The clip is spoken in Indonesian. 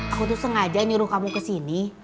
aku tuh sengaja nyuruh kamu kesini